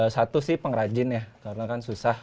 satu sih pengrajin ya karena kan susah